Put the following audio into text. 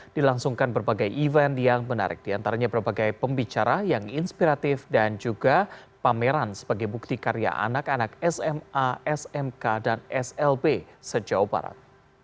dilangsungkan berbagai event yang menarik diantaranya berbagai pembicara yang inspiratif dan juga pameran sebagai bukti karya anak anak sma smk dan slb sejauh barat